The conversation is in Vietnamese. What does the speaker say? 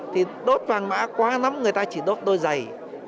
thì đốt vàng mã quá lắm người ta chỉ đốt đôi giày